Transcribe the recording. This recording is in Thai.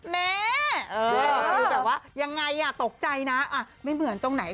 แม่อย่างไรตกใจนะไม่เหมือนตรงไหน